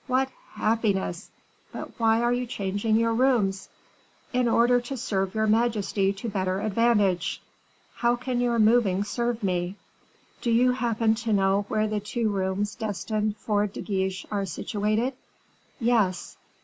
What happiness! But why are you changing your rooms?" "In order to serve your majesty to better advantage." "How can your moving serve me?" "Do you happen to know where the two rooms destined for De Guiche are situated?" "Yes."